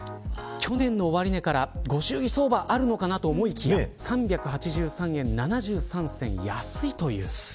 去年の終値からご祝儀相場あるのかなと思いきや３８３円７３銭安いです。